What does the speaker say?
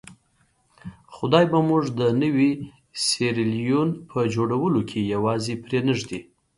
خدای به موږ د نوي سیریلیون په جوړولو کې یوازې پرې نه ږدي.